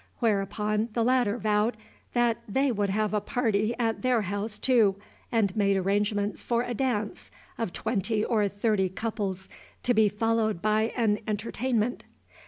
Whereupon the latter vowed that they would have a party at their house too, and made arrangements for a dance of twenty or thirty couples, to be followed by an entertainment.